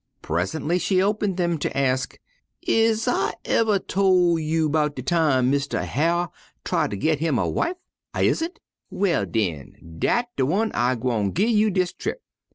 Presently she opened them to ask, "Is I uver tol' you 'bout de time Mistah Hyar' try ter git him a wife? I isn'? Well, den, dat de one I gwine gin you dis trip.